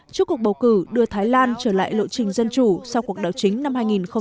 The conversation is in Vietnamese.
trước cuộc bầu cử đưa thái lan trở lại lộ trình dân chủ sau cuộc đảo chính năm hai nghìn một mươi sáu